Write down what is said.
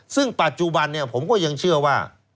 ซึ่งปัจจุบันผมก็ยังเชื่อว่า